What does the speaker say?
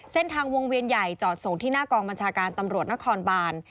เส้นทางวงเวียนใหญ่จอดส่งที่หน้ากองบัญชาการตำรวจนครบาน